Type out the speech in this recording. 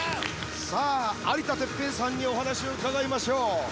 有田哲平さんにお話を伺いましょう。